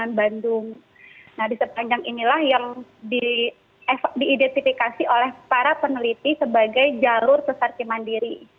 nah di sepanjang inilah yang diidentifikasi oleh para peneliti sebagai jalur sesar cimandiri